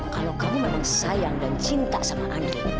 kalau kamu memang sayang dan cinta sama andi